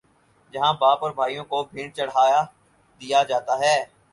جہاں باپ اور بھائیوں کو بھینٹ چڑھا دیا جاتا ہے۔